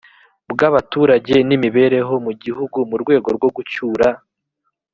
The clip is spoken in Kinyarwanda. bw abaturage n imibereho mu gihugu mu rwego rwo gucyura